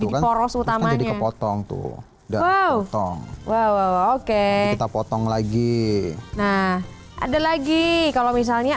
jadi poros utamanya jadi kepotong tuh dan kepotong wow oke kita potong lagi nah ada lagi kalau misalnya